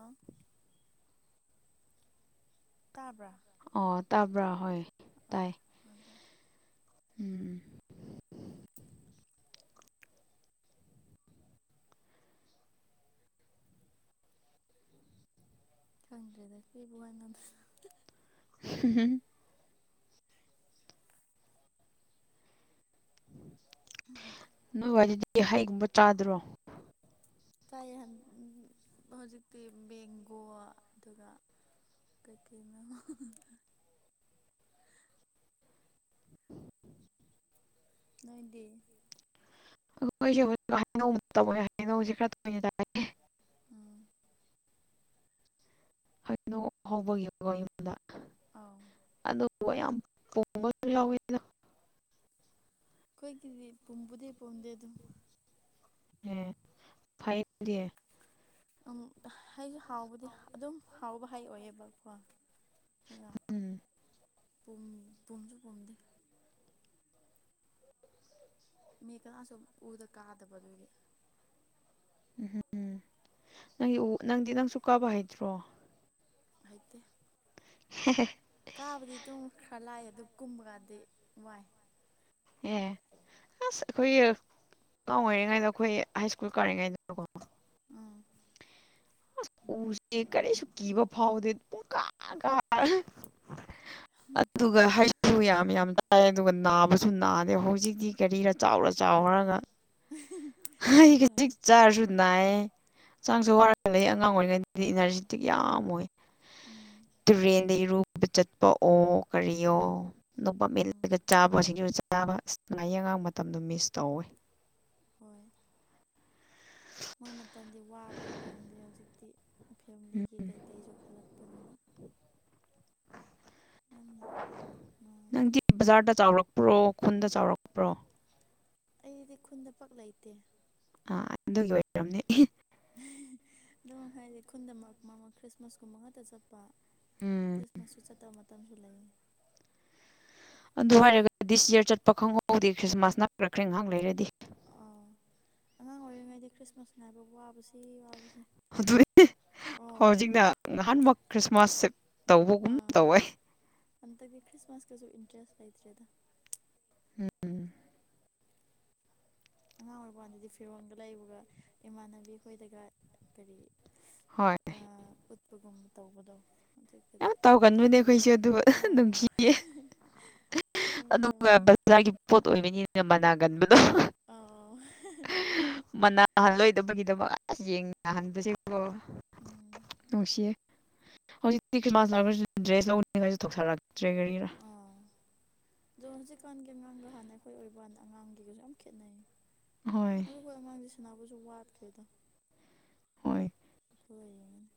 ꯑ ꯇꯥꯕ꯭ꯔ ꯑꯣ ꯇꯥꯕ꯭ꯔ ꯍꯣꯏ ꯑꯥ ꯑꯥ ꯇꯥꯏ ꯎꯝ ꯈꯪꯗ꯭ꯔꯦꯗ ꯀ꯭ꯔꯤꯕꯨ ꯋꯥ ꯉꯥꯡꯗ [unintelligible] ꯅꯣꯏ ꯋꯥꯏꯗꯗꯤ ꯍꯩꯒꯨꯝꯕ ꯆꯥꯗ꯭ꯔꯣ ꯇꯥꯏꯌꯦ ꯍꯟ ꯍꯧꯖꯤꯛꯇꯤ ꯕꯦꯡꯒꯣ ꯑꯗꯨꯒ ꯀꯩꯀꯩ ꯅꯣ ꯅꯣꯏꯗꯤ [unintelligible] ꯎꯝ ꯍꯩꯅꯧ ꯍꯧꯕꯒꯤꯀꯣ ꯌꯨꯝꯗ ꯑꯧ ꯑꯗꯨꯕꯨ ꯌꯥꯝ [unintelligible] ꯌꯥꯎꯏꯗ ꯈꯣꯏꯒꯤꯗꯤ ꯄꯨꯝꯕꯨꯗꯤ ꯄꯨꯝꯗꯦ ꯑꯗꯨꯝ ꯑꯦ ꯐꯩ ꯗꯤ ꯎꯝ ꯍꯩꯖꯨ ꯍꯥꯎꯕꯗꯤ ꯑꯗꯨꯝ ꯍꯥꯎꯕ ꯍꯩ ꯑꯣꯏꯌꯦꯕꯀꯣ ꯑꯗꯨꯒ ꯎꯝ ꯄꯨꯝ ꯄꯨꯝꯁꯨ ꯄꯨꯝꯗꯦ ꯃꯤ ꯀꯅꯥꯁꯨꯨꯝ ꯎꯗ ꯀꯥꯗꯕ ꯑꯗꯨꯒꯤ ꯎꯍꯝ ꯎꯝ ꯅꯪꯒꯤ ꯎ ꯅꯪꯗꯤ ꯅꯪꯁꯨ ꯀꯥꯕ ꯍꯩꯇ꯭ꯔꯣ ꯍꯩꯇꯦ ꯍꯦꯍꯦ ꯀꯥꯕꯗꯤ ꯑꯗꯨꯝ ꯈ꯭ꯔ ꯂꯥꯏꯑꯦ ꯑꯗꯨ ꯀꯨꯝꯕꯒꯥꯟꯗꯤ ꯋꯥꯏ ꯑꯦ ꯑꯁ ꯑꯩꯈꯣꯏꯒꯤ ꯑꯉꯥꯡ ꯑꯣꯏꯔꯤꯉꯩꯗ ꯑꯩꯈꯣꯏ ꯍꯥꯏ ꯁ꯭ꯀꯨꯜ ꯀꯥꯔꯤꯉꯩꯗꯀꯣ ꯎꯝ ꯑꯁ ꯎꯁꯦ ꯀꯔꯤꯁꯨ ꯀꯤꯕ ꯐꯥꯎꯗꯦ ꯄꯨꯡꯀꯥ ꯀꯥ ꯍꯨꯝ ꯑꯗꯨꯒ ꯍꯩꯁꯨ ꯌꯥꯝ ꯌꯥꯝ ꯇꯥꯏ ꯑꯗꯨꯒ ꯅꯥꯕꯁꯨ ꯅꯥꯗꯦ ꯍꯧꯖꯤꯛꯇꯤ ꯀꯔꯤꯔ ꯆꯥꯎꯔ ꯑ ꯆꯥꯎꯔꯒ ꯍꯩ ꯍꯣꯏ ꯈꯖꯤꯛ ꯆꯥꯔꯁꯨ ꯅꯥꯏꯌꯦ ꯍꯛꯆꯥꯡꯁꯨ ꯋꯥꯔ ꯂꯩꯑꯦ ꯑꯉꯥꯡ ꯑꯣꯏꯔꯤꯉꯩꯗꯗꯤ ꯏꯅꯔꯖꯤꯇꯤꯛ ꯌꯥꯝ ꯑꯣꯏ ꯎꯝ ꯇꯨꯔꯦꯟ ꯏꯔꯨꯕꯒ ꯆꯠꯄ ꯑꯣ ꯀꯔꯤꯌꯣ ꯅꯣꯕꯥꯞ ꯎꯝ ꯃꯦꯠꯂꯒ ꯆꯥꯕ ꯁꯤꯡꯖꯨ ꯆꯥꯕ ꯅꯨꯡꯉꯥꯏꯌꯦ ꯑꯉꯥꯡ ꯃꯇꯝꯗꯣ ꯃꯤꯁ ꯇꯧꯑꯦ ꯍꯣꯏ ꯃꯣꯏ ꯃꯇꯝꯗꯤ ꯋꯥꯕꯁꯨ ꯈꯪꯗꯦ ꯍꯧꯖꯤꯛꯇꯤ ꯐꯦꯃꯤꯂꯤꯒꯤ ꯎꯝ ꯀꯩꯀꯩꯁꯨ ꯈꯜꯂꯛꯄꯅꯤꯅ ꯌꯥꯝꯅ ꯅꯨꯡꯉꯥꯏꯇꯦ ꯅꯪꯗꯤ ꯕꯖꯥꯔꯗ ꯆꯥꯎꯔꯛꯄ꯭ꯔꯣ ꯈꯨꯟꯗ ꯆꯥꯎꯔꯛꯄ꯭ꯔꯣ ꯑꯩꯗꯤ ꯈꯨꯟꯗ ꯄꯛ ꯂꯩꯇꯦ ꯑꯥ ꯑꯗꯨꯒꯤ ꯑꯣꯏꯔꯝꯅꯤ ꯑꯗꯨꯝ ꯍꯥꯏꯗꯤ ꯈꯨꯟꯗ ꯃꯔꯛ ꯃꯔꯛ ꯃꯔꯛ ꯈ꯭ꯔꯤꯁꯃꯥꯁ ꯀꯨꯝꯕ ꯉꯥꯇ ꯆꯠꯄ ꯎꯝ ꯈ꯭ꯔꯤꯁꯃꯥꯁꯁꯨ ꯆꯠꯇ ꯃꯇꯝꯁꯨ ꯂꯩꯥꯌꯦ ꯑꯗꯨ ꯍꯥꯏꯔꯒ ꯗꯤꯁ ꯌꯤꯑꯔ ꯆꯠꯄ ꯈꯪꯍꯧꯗꯦ ꯈ꯭ꯔꯤꯁꯃꯥꯁ ꯅꯛꯔꯛꯈ꯭ꯔꯦ ꯉꯥꯍꯥꯛ ꯂꯩꯔꯗꯤ ꯑꯥ ꯑꯉꯥꯡ ꯑꯣꯏꯔꯤꯉꯩꯗꯤ ꯈ꯭ꯔꯤꯁꯃꯥꯁ ꯉꯥꯏꯕ ꯋꯥꯕꯁꯤ ꯋꯥꯕꯁꯦ ꯑꯗꯨ ꯑꯧ ꯍꯧꯖꯤꯛꯅ ꯅꯍꯥꯟꯃꯨꯛ ꯈ꯭ꯔꯤꯁꯃꯥꯁꯁꯦ ꯇꯧꯕꯒꯨꯝ ꯇꯧꯋꯦ ꯍꯟꯇꯛꯇꯤ ꯈ꯭ꯔꯤꯁꯃꯥꯁ ꯀꯖꯨ ꯏꯟꯇ꯭ꯔꯦꯁ ꯂꯩꯇ꯭ꯔꯦꯗ ꯎꯝ ꯑꯉꯥꯡ ꯑꯣꯏꯔꯤꯛꯄꯥꯟꯗꯗꯤ ꯐꯤꯔꯣꯜꯗ ꯂꯩꯕꯒ ꯏꯃꯥꯟꯅꯕꯤ ꯈꯈꯣꯏꯗꯒ ꯀꯔꯤ ꯍꯣꯏ ꯑ ꯎꯠꯄꯒꯨꯝꯕ ꯇꯧꯕꯗꯣ ꯍꯧꯖꯤꯛꯇꯗꯤ ꯌꯥꯝ ꯇꯧꯒꯟꯕꯨꯅꯦ ꯑꯩꯈꯣꯏꯁꯨꯦ ꯑꯗꯨꯕꯨ ꯑꯥꯎ ꯅꯨꯡꯁꯤꯌꯦ ꯑꯗꯨ ꯑꯗꯨꯒ ꯃꯇꯝꯗ ꯕꯖꯥꯔꯒꯤ ꯄꯣꯠ ꯑꯣꯏꯕꯅꯤꯅ ꯃꯅꯥꯒꯟꯕꯗꯣ ꯑ ꯃꯅꯥꯍꯜꯂꯣꯏꯗꯕꯒꯤꯗꯃꯛ ꯑꯁ ꯌꯦꯡꯅꯅꯥꯍꯟꯕꯁꯦ ꯍꯂ ꯎꯝ ꯅꯨꯡꯁꯤ ꯇꯤ ꯈ꯭ꯔꯤꯁꯃꯥꯁ ꯂꯥꯛꯔꯁꯨ ꯗ꯭ꯔꯦꯁ ꯂꯧꯅꯤꯡꯉꯥꯏꯖꯨ ꯊꯧꯁꯥꯔꯛꯇ꯭ꯔꯦ ꯀꯔꯤꯔꯥ ꯑꯥ ꯑꯗꯣ ꯍꯧꯖꯤꯛꯀꯥꯟꯒꯤ ꯑꯉꯥꯡꯒ ꯍꯥꯟꯅ ꯑꯩꯈꯣꯏ ꯑꯣꯏꯕꯋꯥꯟ ꯑꯉꯥꯡꯒꯤꯒꯖꯨ ꯌꯥꯝ ꯈꯦꯠꯅꯩꯌꯦ ꯍꯣꯏ ꯍꯣꯏ ꯑꯉꯥꯡꯁꯦ ꯁꯥꯟꯅꯥꯕꯨꯁꯨ ꯋꯥꯠꯈ꯭ꯔꯦꯗ ꯍꯣꯏ ꯍꯣꯏ ꯌ‌ꯦꯟꯒ‌ꯦꯅ‌ꯦ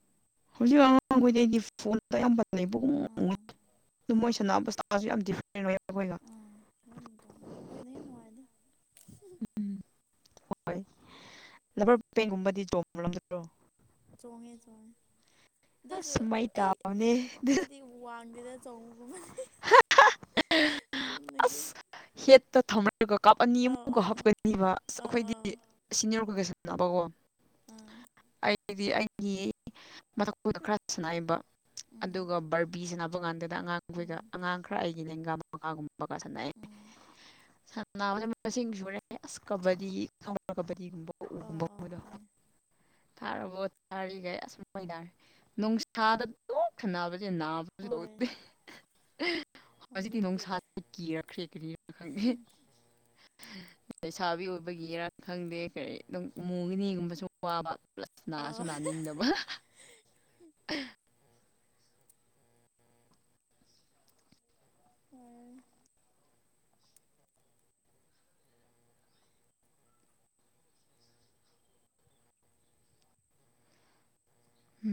ꯍꯧꯖꯤꯛ ꯑꯉꯥꯡꯈꯩꯗꯩꯗꯤ ꯐꯣꯟꯗ ꯌꯥꯝ ꯐ [unintelligible] ꯂꯩꯩꯕꯒꯨꯝ ꯑꯥ ꯑꯗꯨ ꯃꯣꯏ ꯍꯣꯏ ꯁꯥꯟꯅꯕꯁꯁꯨ ꯌꯥꯝ ꯗꯤ [unintelligible] ꯎ [unintelligible] ꯑꯥ ꯌꯥꯝ ꯇꯣꯉꯥꯟꯜꯂꯦ ꯑꯩꯈꫭꯏꯅ ꯍꯦꯟꯅ ꯅꯨꯡꯉꯥꯏꯗ ꯎꯝ ꯍꯣꯏ ꯂꯕꯔ ꯄꯦꯡꯒꯨꯝꯕꯗꯤ ꯆꯣꯡꯕꯗꯗ꯭ꯔꯣ ꯆꯣꯡꯉꯦ ꯆꯣꯡꯉꯦ ꯑꯗꯨꯁꯨ ꯑꯁ ꯃꯩ ꯑꯩ ꯇꯥꯕꯅꯦ ꯑꯩꯈꯣꯏꯗꯤ ꯋꯥꯟꯗ‌ꯦꯗ ꯆꯣꯡꯕꯒꯨꯝꯕꯅꯤ ꯆꯨꯝꯅꯒꯤ ꯑꯁ ꯍꯦꯠꯇ ꯊꯝꯅꯔꯒ ꯀꯥꯞ ꯑꯅꯤ ꯑꯥꯎ ꯑꯃꯨꯒ ꯑꯥꯎ ꯍꯥꯞꯀꯅꯤꯕ ꯑꯁ ꯑꯩꯈꯣꯏꯗꯤ ꯑꯥꯎ ꯑꯥꯎ ꯁꯤꯅꯤꯌꯔ ꯀꯁ ꯀꯣ [unintelligible] ꯎꯝ ꯑꯩꯗꯤ ꯑꯩꯒꯤ ꯃꯊꯛꯇꯗ [unintelligible] ꯈꯔ ꯁꯅꯥꯏꯕ ꯎꯝ ꯑꯗꯨꯒ ꯕꯔꯕꯤ ꯁꯅꯕ ꯀꯥꯟꯗ ꯑꯉꯥꯡꯈꯒ ꯎꯝ ꯑꯉꯥꯡ ꯈꯔ ꯑꯩꯒꯤ ꯂ‌ꯦꯡꯒ ꯀꯥꯒꯨꯝꯕ ꯕꯀꯥ ꯁꯥꯟꯅꯦ ꯎꯝ [unintelligible] ꯁꯟꯅꯥꯕꯁꯤ ꯃꯁꯤꯡ ꯁꯨꯔꯦ ꯑꯁ ꯀꯕꯗꯤ ꯀꯕꯗꯤꯒꯨꯝꯕ ꯑꯥꯎ ꯑꯥꯎ ꯎꯒꯨꯝꯕꯨꯝꯕꯗꯣ [unintelligible] ꯈꯪꯉꯦ ꯊꯥꯔꯕꯣ ꯊꯥꯔꯤꯈꯩ [unintelligible] ꯑꯁꯨꯝ ꯑꯣꯏꯅꯇꯥꯔꯦ ꯅꯨꯡꯁꯥꯗ [unintelligible] ꯈꯅꯥꯕꯁꯦ ꯅꯥꯕꯁꯨ ꯍꯣꯏ ꯇꯗꯦ ꯍꯧꯖꯤꯛꯇꯤ ꯅꯨꯡꯁꯥꯁꯤ ꯀꯤꯔꯛꯈ꯭ꯔꯦ ꯀꯔꯤꯅ ꯈꯪꯗꯦ ꯂꯩꯁꯥꯕꯤ ꯑꯣꯏꯕꯒꯤꯔꯥ ꯈꯪꯗꯦ ꯀꯔꯤ ꯑꯗꯨꯝ ꯃꯨꯒꯤꯅꯤꯒꯨꯝꯕ ꯁꯨ ꯑꯋꯕ ꯄ꯭ꯂ ꯅꯥꯁꯨ ꯑꯥꯎ ꯅꯥꯅꯤꯡꯗꯕ ꯍꫭꯏ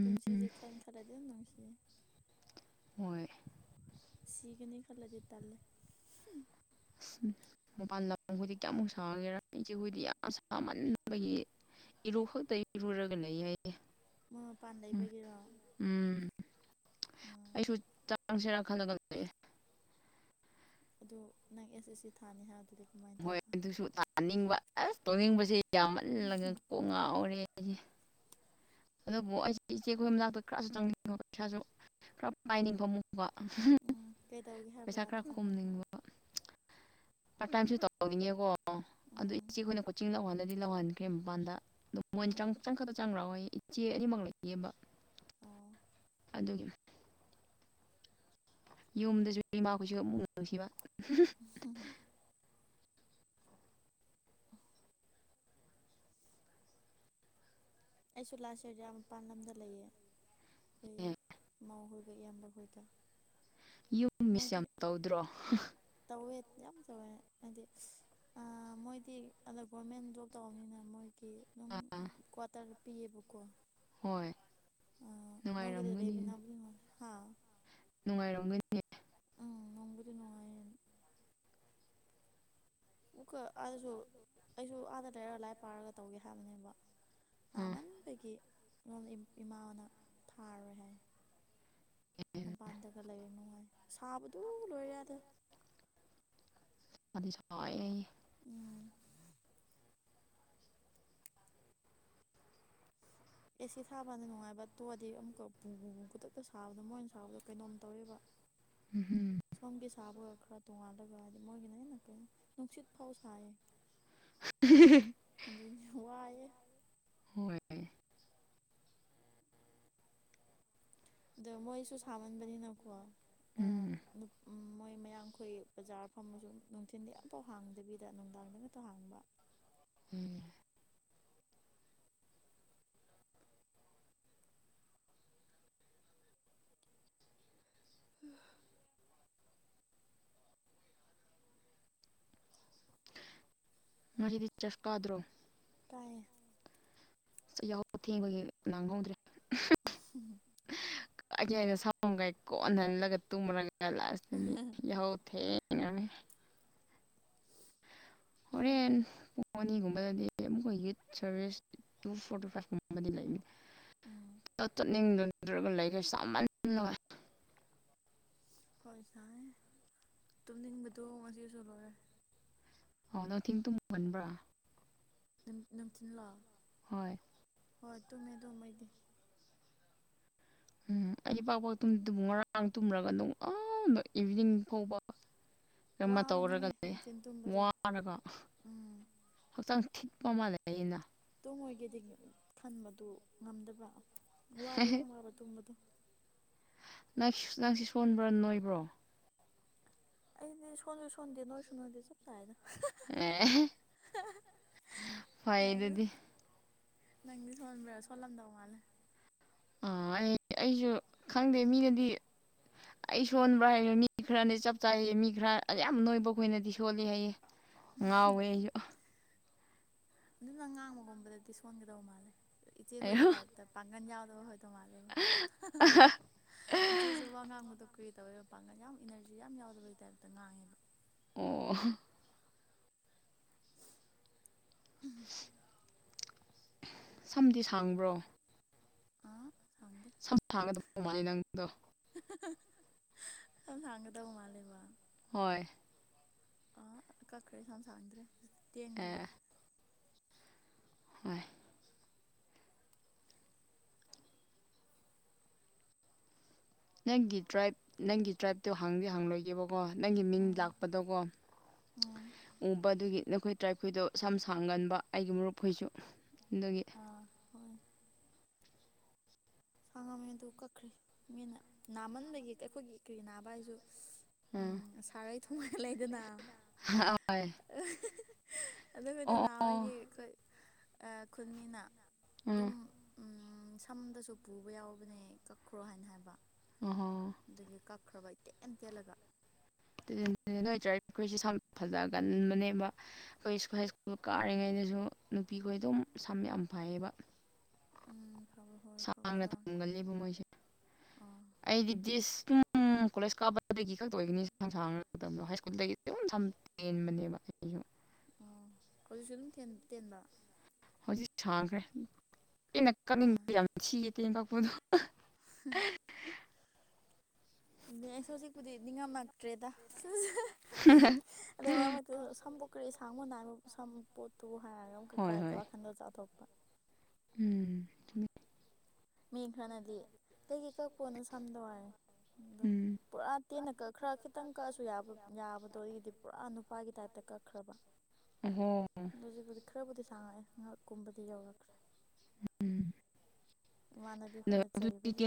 ꯄꯨꯟꯁꯤ ꯈꯥꯟ ꯈꯂꯗ ꯑꯗꯨꯝ ꯅꯨꯡꯁꯤ ꯍꯣꯏ ꯁꯤꯒꯅꯤ ꯈꯜꯂꯗꯤ ꯇꯜꯂꯤ ꯑꯁ ꯃꯄꯥꯟ ꯂꯝꯈꯣꯏꯗꯤ ꯀꯌꯥꯃꯨꯛ ꯁꯥꯒꯦꯔꯥ ꯏꯆꯦꯈꯣꯏꯗꯤ ꯌꯥꯝ ꯁꯥꯃꯟꯕꯒꯤ ꯏꯔꯨ ꯈꯛꯇ ꯏꯔꯨꯔꯒ ꯂꯩ ꯌꯥꯏ ꯍꯥꯏ ꯃꯣꯏ ꯃꯄꯥꯟ ꯂꯩꯕꯒꯤꯔꯣ ꯎꯝ ꯎꯝ ꯑꯩꯁꯨ ꯆꯪꯁꯤꯔꯥ ꯈꯜꯂꯒ ꯂꯩꯌ‌ꯦ ꯑꯗꯨ ꯅꯪ ꯑꯦꯁ ꯑꯦꯁ ꯁꯤ ꯊꯥꯅꯤ ꯍꯥꯏꯕꯗꯨꯗꯤ ꯀꯃꯥꯏꯅ ꯍꯣꯏ ꯇꯧꯕ ꯑꯗꯨꯁꯨ ꯊꯥꯅꯤꯡꯕ ꯑꯁ ꯇꯧꯅꯤꯡꯕꯁꯦ ꯌꯥꯝꯃꯜꯂꯒ ꯀꯣꯡ ꯉꯥꯎꯔꯦ ꯑꯩꯁꯦ ꯑꯗꯨꯕꯨ ꯑꯩꯁꯦ ꯏꯆꯦ ꯈꯈꯣꯏ ꯑꯃ ꯂꯥꯛꯄꯗ ꯈꯔꯁꯨ ꯆꯪꯅꯤꯡꯕ ꯄꯩꯁꯥꯁꯨ ꯈꯔ ꯃꯥꯏꯅꯤꯡ [unintelligible] ꯕ ꯑꯃꯨꯛ ꯀꯣ ꯎꯝ ꯀꯩꯗꯧꯒꯦ ꯍꯥꯏꯕ꯭ꯔꯥ ꯄꯩꯁꯥ ꯈꯔ ꯑꯗꯨ ꯆꯪꯉꯒ ꯈꯣꯝꯅꯤꯡꯕ ꯄꯇꯥꯏꯝꯁꯨ ꯇꯧꯅꯤꯡꯉꯀꯣ ꯑꯣ ꯑꯗꯨ ꯎꯝ ꯏꯆꯦ ꯑꯩꯈꯣꯏꯅ ꯀꯣꯆꯤꯡ ꯂꯧꯍꯜꯂꯗꯤ ꯂꯧꯍꯟꯈ꯭ꯔꯦ ꯃꯄꯥꯟꯗ ꯑꯗꯨ ꯃꯣꯏꯅ ꯎꯝ ꯆꯪꯈꯛꯇ ꯆꯪꯈ꯭ꯔꯛꯑꯣꯌ‌ꯦ ꯏꯆꯦ ꯑꯅꯤꯃꯛ ꯂꯩꯇꯦꯕ ꯑꯣ ꯑꯗꯨꯒꯤ ꯌꯨꯝꯗꯁꯨ ꯏꯃꯥꯈꯣꯏꯁꯨ ꯑꯃꯨꯛ ꯅꯨꯡꯁꯤꯕ ꯍ [unintelligible] [unintelligible] ꯑꯩꯁꯨ ꯂꯥꯁ ꯑꯦꯔꯤꯗꯤ ꯑꯥ ꯃꯄꯥꯟ ꯂꯝꯗ ꯂꯩꯌꯦ ꯑꯩꯈꯣꯏ ꯃꯧ ꯍꯣꯏꯒ ꯏꯌꯥꯝꯕ ꯍꯣꯏꯒ ꯌꯨꯝ ꯃꯤꯁ ꯃꯣꯏꯗꯤ ꯌꯥꯝ ꯇꯧꯗ꯭ꯔꯣ ꯇꯧꯋꯦ ꯌꯥꯝ ꯇꯧꯋꯦ ꯍꯥꯏꯗꯤ ꯑ ꯃꯣꯏꯗꯤ ꯑꯗ ꯒꯣꯔꯃꯦꯟ ꯖꯣꯕ ꯇꯧꯕꯅꯤꯅ ꯃꯣꯏ ꯀꯤ ꯑꯗꯨꯝ ꯑꯥ ꯀ꯭ꯋꯥꯇꯔ ꯄꯤꯌꯦꯕꯀꯣ ꯍꯣꯏ ꯑꯥ ꯃꯣꯏꯒꯤꯗ ꯅꯨꯡꯉꯥꯏꯔꯝꯒꯅꯤ ꯂꯩꯃꯤꯟꯅꯕꯗꯤ ꯅꯨꯉꯥꯏ ꯍꯥ ꯅꯨꯡꯉꯥꯏꯔꯝꯒꯅꯤ ꯎꯝ ꯅꯣꯡꯕꯨꯗꯤ ꯅꯨꯡꯉꯥꯏꯌ‌ꯦ ꯑꯃꯨꯛꯀ ꯑꯥꯗꯁꯨ ꯑꯩꯁꯨ ꯑꯥꯗ ꯂꯩꯔꯒ ꯂꯥꯏ ꯄꯥꯔꯒ ꯇꯧꯒꯦ ꯍꯥꯏꯕꯅꯦꯕ ꯑꯥ ꯅꯥꯃꯟꯕꯒꯤ ꯑꯩꯉꯣꯟꯗ ꯏꯃꯥꯅ ꯊꯥꯔꯣꯏ ꯍꯥꯏ ꯃꯄꯥꯟꯗꯒ ꯂꯩꯔꯅꯨ ꯍꯥꯏꯌꯦ ꯁꯥꯕꯗꯨ ꯂꯣꯏꯔꯦ ꯑꯥꯗ ꯁꯥꯗꯤ ꯁꯥꯏꯌꯦ ꯎꯝ ꯑꯦ ꯁꯤ ꯊꯥꯕꯥꯀꯥꯟꯗ ꯅꯨꯡꯉꯥꯏꯕ ꯇꯣꯛꯑꯗꯤ ꯑꯃꯨꯛꯀ ꯕꯨ ꯕꯨ ꯈꯨꯗꯛꯇ ꯁꯥꯕꯗꯨ ꯃꯣꯏꯅ ꯁꯥꯕꯗꯣ ꯀꯩꯅꯣꯝ ꯇꯧꯋꯦꯕ [inaudible] [unintelligible] ꯁꯣꯝꯒꯤ ꯁꯥꯕꯒ ꯈꯔ ꯇꯣꯡꯉꯥꯜꯂꯒ ꯍꯥꯏꯗꯤ ꯃꯣꯏꯒꯤꯅ ꯍꯦꯟꯅ ꯀꯩꯅꯣ ꯅꯨꯡꯁꯤꯠ ꯐꯥꯎ ꯁꯥꯏꯌꯦ [unintelligible] ꯑꯗꯨꯅꯤ ꯌꯥꯝ ꯋꯥꯏꯌꯦ ꯍꯣꯏ ꯑꯗꯣ ꯃꯣꯏꯁꯨ ꯁꯥꯃꯟꯕꯅꯤꯅꯀꯣ ꯎꯝ ꯃꯣꯏ ꯃꯌꯥꯡꯈꯣꯏ ꯕꯖꯥꯔ ꯐꯝꯃꯁꯨ ꯅꯨꯡꯊꯤꯟꯗꯤ ꯑꯃꯐꯥꯎ ꯍꯥꯡꯗꯕꯤꯗ ꯅꯨꯡꯗꯥꯡꯗꯈꯛꯇ ꯍꯥꯡꯕ ꯎꯝ [unintelligible] ꯉꯁꯤꯗꯤ ꯆꯥꯔ꯭ꯁ ꯀꯥꯗ꯭ꯔꯣ ꯀꯥꯏꯌꯦ ꯑꯁ ꯑꯩ ꯌꯥꯍꯧ ꯊꯦꯡꯕꯒꯤ ꯅꯪꯍꯧꯗ꯭ꯔꯦ [unintelligible] ꯑꯩꯒꯤ ꯑꯩꯅ ꯁꯝꯒꯥꯏ ꯀꯣꯟꯍꯜꯂꯒ ꯇꯨꯝꯃꯨꯔꯒ ꯂꯥꯁꯇꯗꯤ ꯌꯥꯍꯧ ꯊꯦꯡꯉꯝꯃꯦ ꯍꯣꯔꯦꯟ ꯄꯨꯡ ꯑꯅꯤꯒꯨꯝꯕꯗꯗꯤ ꯑꯃꯨꯛꯀ ꯌꯨꯠ ꯁꯔꯚꯤꯁ ꯇꯨ ꯐꯣꯔꯇꯤ ꯐꯥꯏꯚ ꯀꯨꯝꯕ ꯕꯗꯤ ꯂꯩꯅꯤ ꯎꯝ ꯆꯠꯅꯤꯡꯗ꯭ꯔꯒ ꯂꯩꯔꯦ ꯁꯥꯃꯜꯂꯒ ꯍꯣꯏ ꯁꯥꯏꯌꯦ ꯇꯨꯝꯅꯤꯡꯕꯗꯣ ꯉꯁꯤꯁꯨ ꯂꯣꯏꯔꯦ ꯑꯣ ꯅꯨꯡꯊꯤꯟ ꯇꯨꯝꯒꯟꯕ꯭ꯔꯥ ꯅꯨꯡ ꯅꯨꯡꯊꯤꯟꯂꯣ ꯍꯣꯏ ꯍꯣꯏ ꯇꯝꯃꯦ ꯑꯗꯨꯝ ꯑꯩꯗꯤ ꯎꯝ ꯑꯩ ꯄꯥꯛꯄ ꯇꯨꯝꯗꯦ ꯉꯔꯥꯡ ꯇꯨꯝꯔꯒ ꯅꯣꯡ ꯑꯥꯗꯥ ꯑꯥ ꯏꯚꯤꯅꯤꯡ ꯐꯥꯎꯕ ꯀꯩꯅꯣꯝꯃ ꯋꯥꯕꯅꯦ ꯇꯧꯔꯒ ꯂꯩꯌꯦ ꯅꯨꯡꯊꯤꯟ ꯇꯨꯝꯕꯗꯣ ꯋꯥꯔꯒ ꯎꯝ ꯍꯛꯆꯥꯡ ꯊꯤꯠꯄ ꯃꯥꯜꯂꯦ [unintelligible] ꯍꯥꯏꯅ ꯇꯨꯝꯉꯣꯏꯒꯦꯗꯤ ꯈꯟꯕꯗꯨ ꯉꯝꯗꯕ ꯋꯥꯗꯤ ꯌꯥꯝ ꯋꯥꯕ ꯇꯨꯝꯕꯗꯣ ꯅꯪ ꯅꯪꯁꯤ ꯁꯣꯟꯕ꯭ꯔꯥ ꯅꯣꯏꯕ꯭ꯔꯣ ꯑꯩꯅꯦ ꯁꯣꯟꯁꯨ ꯁꯣꯟꯗꯦ ꯅꯣꯏꯁꯨ ꯅꯣꯏꯗꯦ ꯆꯞ ꯆꯥꯢꯗ ꯑꯦ ꯐꯩ ꯌꯥꯏꯗ ꯑꯗꯨꯗꯤ ꯅꯪꯗꯤ ꯁꯣꯟꯕ꯭ꯔꯥ ꯁꯣꯟꯂꯝꯗꯧ ꯃꯥꯜꯂꯤ ꯑꯥ ꯑꯩ ꯑꯩꯁꯨ ꯈꯪꯗꯦ ꯃꯤꯅꯗꯤ ꯑꯩ ꯁꯣꯟꯕ꯭ꯔꯥ ꯍꯥꯏꯔ ꯃꯤ ꯈꯔꯅ ꯆꯞ ꯆꯥꯥꯢꯌꯦ ꯃꯤ ꯈꯔ ꯌꯥꯝ ꯅꯣꯏꯕꯈꯣꯏꯅꯗꯤ ꯁꯣꯜꯂꯤ ꯍꯥꯏꯌꯦ ꯉꯥꯎꯋꯦ ꯑꯩꯁꯨ ꯑꯗꯨꯅ ꯉꯥꯡꯕꯒꯨꯝꯕꯗꯗꯤ ꯁꯣꯟꯒꯗꯧ ꯃꯥꯜꯂꯦ ꯑꯩ ꯏꯆꯦꯈꯣꯏꯒꯤ ꯇꯥꯏꯞꯇ ꯄꯥꯡꯒꯟ ꯌꯥꯎꯗꯕ ꯇꯣ ꯃꯥꯥꯜꯂꯦꯕ ꯏꯆꯦꯁꯨ ꯋꯥ ꯉꯥꯡꯕꯗꯣ ꯀ꯭ꯔꯤꯇꯧꯋꯦꯕ ꯄꯥꯡꯒꯜ ꯌꯥꯝ ꯏꯅꯔꯖꯤ ꯌꯥꯝ ꯌꯥꯎꯗꯕꯒꯤ ꯇꯥꯏꯞꯇ ꯉꯥꯡꯉꯦꯕ ꯑꯣ [unintelligible] ꯁꯝꯗꯤ ꯁꯥꯡꯕ꯭ꯔꯣ ꯑ ꯁꯥꯡꯗꯦ ꯁꯝ ꯁꯥꯡꯒꯗꯕ ꯃꯥꯜꯂꯦ ꯅꯪꯗꯣ ꯁꯝ ꯁꯥꯡꯒꯗꯕ ꯃꯥꯜꯂꯦꯕ ꯍꯣꯏ ꯑꯥ ꯀꯛꯈ꯭ꯔꯦ ꯁꯝ ꯁꯥꯡꯗ꯭ꯔꯦ ꯇꯦꯟꯒ꯭ꯔꯦ ꯑꯦ ꯍꯣꯏ ꯅꯪꯒꯤ ꯇ꯭ꯔꯥꯏꯞ ꯅꯪꯒꯤ ꯇ꯭ꯔꯥꯏꯞꯇꯣ ꯍꯪꯗꯤ ꯍꯪꯂꯣꯏꯒꯦꯕ ꯀꯣ ꯅꯪꯒꯤ ꯃꯤꯡ ꯎꯝ ꯂꯥꯛꯄꯗꯀꯣ ꯎꯝ ꯎꯕꯗꯨꯒꯤ ꯅꯈꯣꯏ ꯇ꯭ꯔꯥꯏꯞꯈꯣꯏꯗꯣ ꯁꯝ ꯁꯥꯡꯒꯟꯕ ꯑꯩꯒꯤ ꯃꯔꯨꯞꯈꯣꯏꯁꯨ ꯑꯗꯨꯒꯤ ꯑꯥ ꯍꯣꯏ ꯁꯥꯡꯉꯝꯃꯦ ꯑꯗꯨ ꯀꯛꯈ꯭ꯔꯦ ꯃꯤꯅ ꯅꯥꯃꯟꯕꯒꯤ ꯑꯩꯈꯣꯏꯒꯤ ꯀ꯭ꯔꯤ ꯅꯥꯕ ꯍꯥꯏꯁꯨ ꯎꯝ ꯁꯥꯔꯩ ꯊꯣꯡꯒꯜꯂꯦꯗꯅ [unintelligible] ꯑꯗꯨꯒꯤꯗꯣ ꯑꯣ ꯑꯣ ꯑꯣ ꯅꯥꯕꯒꯤ ꯑꯩꯈꯣꯏ ꯈꯨꯟꯃꯤꯅ ꯎꯝ ꯑꯗꯨꯝ ꯁꯝꯗꯁꯨ ꯄꯨꯕ ꯌꯥꯎꯕꯅꯦ ꯀꯛꯈ꯭ꯔꯣ ꯍꯥꯏꯅ ꯍꯥꯏꯕ ꯑꯣꯍꯣ ꯑꯗꯨꯒꯤ ꯀꯛꯈ꯭ꯔꯕ ꯏꯇꯦꯟ ꯇꯦꯜꯂꯒ ꯑꯗꯨꯅꯦ ꯑꯣꯏ ꯇꯔꯥꯏꯞ ꯈꯣꯏꯁꯦ ꯁꯝ ꯐꯖꯒꯟꯕꯅꯦꯕ ꯑꯩꯈꯣꯏꯁꯨ ꯍꯥꯏ ꯁ꯭ꯀꯨꯜ ꯀꯥꯔꯤꯉꯩꯗꯁꯨ ꯅꯨꯄꯤꯈꯣꯏ ꯑꯗꯨꯝ ꯁꯝ ꯌꯥꯝ ꯐꯩꯌꯦꯕ ꯎꯝ ꯐꯕ ꯍꯣꯏ [unintelligible] ꯐꯕꯁꯨ ꯌꯥꯎꯋꯦ ꯑꯥ ꯎꯝ ꯀꯣꯂꯦꯖ ꯀꯥꯕꯗꯒꯤ ꯈꯛꯇ ꯑꯣꯏꯒꯅꯤ ꯁꯝ ꯁꯡꯕꯗꯣ ꯍꯥꯏ ꯁ꯭ꯀꯨꯜꯗꯒꯤ ꯇꯦꯟꯕꯅꯦꯕ ꯑꯩꯁꯨ ꯑꯣ ꯍꯧꯖꯤꯛꯁꯨ ꯑꯗꯨꯝ ꯇꯦꯟꯕ ꯍꯧꯖꯤꯛ ꯁꯥꯡꯈ꯭ꯔꯦ ꯑꯩꯅ ꯑꯥ ꯀꯛꯅꯤꯡꯕꯗ ꯌꯥꯝ ꯊꯤꯌꯦ ꯇꯦꯟ ꯀꯛꯄꯗꯣ [unintelligible] [unintelligible] ꯑꯗꯨ ꯁꯝꯕꯨ ꯀꯔꯤ ꯁꯥꯡꯕ ꯅꯥꯏꯕ ꯁꯝ ꯄꯣꯠꯇꯨꯕꯨ ꯍꯥꯏꯔꯒ ꯑꯃꯨꯛꯀ ꯍꯣꯏ ꯈꯔ ꯍꯣꯏ ꯋꯥꯈꯜꯗꯨ ꯆꯥꯎꯊꯣꯛꯄ ꯎꯝ ꯃꯤ ꯈꯔꯅꯗꯤ ꯂꯩꯒꯤ ꯀꯛꯄꯔꯣ ꯅꯁꯝꯗꯣ ꯍꯥꯏꯔꯦ ꯑꯗꯨꯝ ꯎꯝ ꯄꯨꯔꯥ ꯇꯦꯟꯅ ꯀꯛꯈ꯭ꯔ ꯈꯤꯇꯪ ꯀꯛꯑꯁꯨ ꯌꯥ ꯌꯥꯕꯗꯣ ꯑꯩꯒꯤꯗꯤ ꯄꯨꯔꯥ ꯅꯨꯄꯥꯒꯤ ꯇꯥꯏꯞꯇ ꯀꯛ ꯈ꯭ꯔꯕ ꯑꯣꯍꯣ ꯍꯧꯖꯤꯛꯄꯨꯗꯤ ꯈꯔꯕꯨꯗꯤ ꯁꯥꯡꯉꯛꯑꯦ ꯉꯛꯀꯨꯝꯕꯗꯤ ꯌꯧꯔꯛꯈ꯭ꯔꯦ ꯎꯝ ꯏꯃꯥꯟꯅꯕꯤ ꯑꯩꯈꯣꯏꯅ ꯆꯩꯕꯁꯦ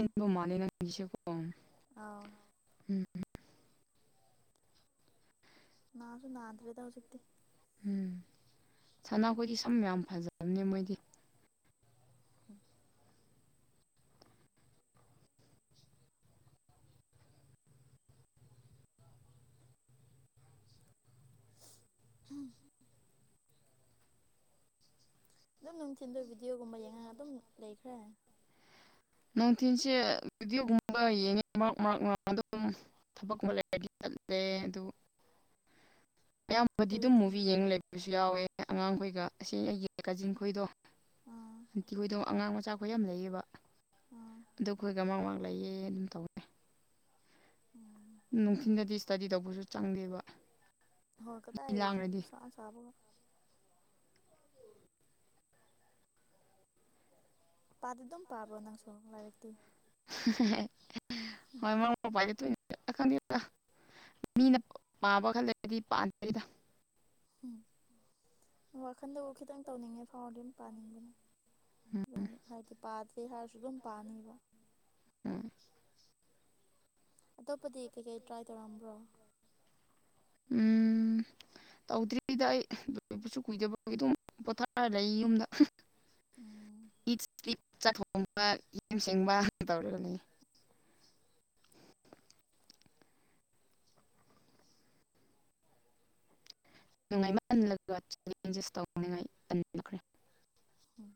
ꯑꯥꯎ ꯅꯥꯁꯨ ꯅꯥꯥꯗ꯭ꯔꯦꯗ ꯍꯧꯖꯤꯛꯇꯤ ꯎꯝ ꯁꯅꯥꯈꯣꯏꯗꯤ ꯁꯝ ꯌꯥꯝ ꯐꯖꯕꯅꯦ ꯃꯣꯏꯗꯤ [inaudible] [inaudible] ꯑꯗꯨꯝ ꯅꯨꯡꯊꯤꯟꯗ ꯚꯤꯗꯤꯑꯣꯒꯨꯝꯕ ꯌꯦꯡꯉꯒ ꯑꯗꯨꯝ ꯂꯩꯈ꯭ꯔꯦ ꯅꯨꯡꯊꯤꯟꯁꯦ ꯚꯤꯗꯤꯑꯣꯒꯨꯝꯕ ꯌꯦꯡꯉꯦ ꯃꯔꯛ ꯃꯔꯛ ꯑꯗꯨꯝ ꯊꯕꯛ ꯀꯨꯝꯕ ꯂꯩꯔꯗꯤ ꯆꯠꯂꯦ ꯑꯗꯨꯕꯨ [inaudible] ꯑꯌꯥꯝꯕꯗꯤ ꯀꯔꯤ ꯑꯗꯨꯝ ꯊꯝ ꯃꯨꯚꯤ ꯌꯦꯡ ꯂꯩꯕꯁꯨ ꯌꯥꯎꯋꯦ ꯑꯉꯥꯡꯈꯣꯏꯒ ꯑꯁꯤ ꯑꯩꯒꯤ ꯀꯥꯖꯤꯟ ꯈꯣꯏꯗꯣ ꯑꯣ.. ꯑꯥꯟꯇꯤꯈꯣꯏꯗꯣ ꯑꯉꯥꯡ ꯃꯆꯥꯈꯣꯏ ꯌꯥꯝ ꯂꯩꯌꯦꯕ ꯑꯥ ꯑ ꯑꯩꯈꯣꯏꯒ ꯃꯥꯡ ꯃꯍꯥꯛ ꯂꯩꯌꯦ ꯑꯗꯨꯝ ꯇꯧꯅꯤ ꯎꯝ ꯅꯨꯡꯊꯤꯟꯗꯗꯤ ꯏꯁꯇꯗꯤ ꯇꯧꯕꯁꯨ ꯆꯪꯗꯦꯕ ꯍꯣꯏ ꯃꯤ ꯀꯗꯥꯏꯘꯒꯤ ꯂꯥꯡꯔꯗꯤ ꯁꯥꯅ ꯁꯥꯕꯒ ꯄꯥꯗꯤ ꯑꯗꯨꯝ ꯄꯥꯕ꯭ꯔꯣ ꯅꯪꯁꯨ ꯂꯥꯏꯔꯤꯛꯇꯤ [unintelligible] ꯈꯪꯗꯦ ꯃꯤꯅ ꯄꯥꯝꯕ ꯈꯜꯗꯒꯗꯤ ꯄꯥꯟꯗꯔꯤꯗ [unintelligible] ꯎꯝ ꯋꯥꯈꯟꯗꯕꯨ ꯈꯤꯇꯪ ꯇꯧꯅꯤꯡꯉꯦ ꯐꯥꯎꯔꯗꯤ ꯑꯗꯨꯝ ꯄꯥꯅꯤꯡꯕꯅꯦ ꯎꯝ ꯑꯗꯨꯝ ꯍꯥꯏꯗꯤ ꯄꯥꯗꯦ ꯍꯥꯏꯔꯁꯨ ꯑꯗꯨꯝ ꯄꯥꯅꯤꯡꯕ ꯎꯝ ꯑꯇꯣꯞꯄꯗꯤ ꯀꯩꯀꯩ ꯇ꯭ꯔꯥꯏ ꯇꯧꯔꯛꯑꯝꯕ꯭ꯔꯣ ꯎꯝ ꯇꯧꯗ꯭ꯔꯤꯗ ꯑꯩ ꯂꯄꯁꯨ ꯀꯨꯏꯗꯕꯒꯤ ꯑꯗꯨꯝ ꯄꯣꯊꯥꯔ ꯂꯩ ꯌꯨꯝꯗ ꯎꯝ ꯏꯠ ꯆꯥꯛ ꯊꯣꯡꯕ ꯌꯦꯟ ꯁꯦꯡꯕ ꯇꯧꯔꯒꯅꯤ ꯅꯨꯡꯉꯥꯏꯃꯥꯟꯗ ꯑꯦꯟꯖꯦꯁ ꯇꯧꯅꯤꯡꯉꯥꯏ ꯇꯟꯈ꯭ꯔꯦ ꯎꯝ